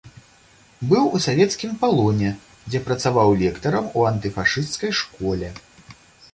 Быў у савецкім палоне, дзе працаваў лектарам у антыфашысцкай школе.